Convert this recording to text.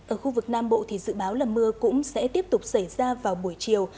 ở khu vực nam bộ thì dự báo là mưa cũng sẽ tiếp tục xảy ra vào buổi chiều